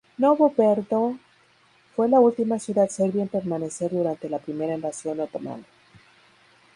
Novo Brdo fue la última ciudad serbia en permanecer durante la primera invasión otomana.